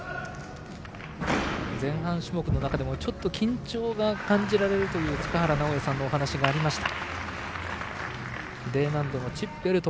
前半種目の中でもちょっと緊張が感じられるという塚原直也さんのお話がありました。